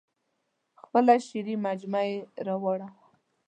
خپله شعري مجموعه یې راوړه.